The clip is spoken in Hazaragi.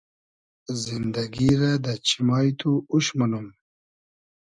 زیندئگی رۂ دۂ چیمای تو اوش مونوم